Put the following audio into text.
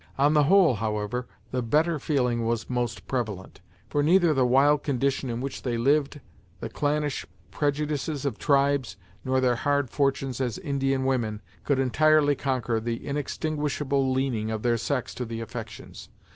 On the whole, however, the better feeling was most prevalent, for neither the wild condition in which they lived, the clannish prejudices of tribes, nor their hard fortunes as Indian women, could entirely conquer the inextinguishable leaning of their sex to the affections.